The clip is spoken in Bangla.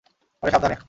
আরে, সাবধানে।